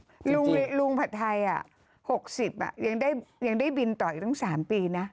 จริงลุงลุงผัดไทยอ่ะหกสิบอ่ะยังได้ยังได้บินต่ออีกตั้งสามปีนะ